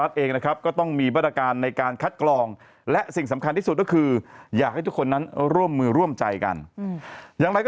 อันนี้ไม่มีแล้วน้ำไม่ทำแล้ว